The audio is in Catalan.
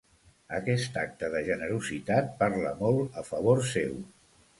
Aquest acte de generositat parla molt a favor seu.